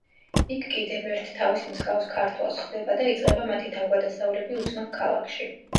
იქ კიდევ ერთ თავის მსგავს ქართველს ხვდება და იწყება მათი თავგადასავლები უცნობ ქალაქში.